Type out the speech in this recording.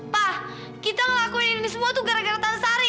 pak kita ngelakuin ini semua tuh gara gara tasari